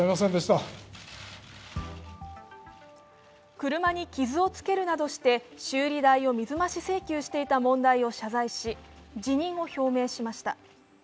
車に傷を付けるなどして修理代を水増し請求していた問題を謝罪し、辞任を表明しました。